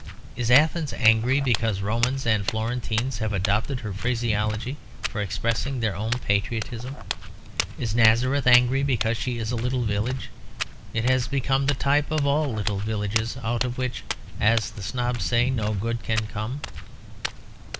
Is Athens angry because Romans and Florentines have adopted her phraseology for expressing their own patriotism? Is Nazareth angry because as a little village it has become the type of all little villages out of which, as the Snobs say, no good can come?